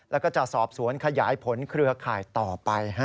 แล้วก็จะสอบสวนขยายผลเครือข่ายต่อไป